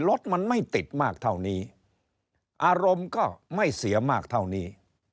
รถมันไม่ติดมากเท่านี้อารมณ์ก็ไม่เสียมากเท่านี้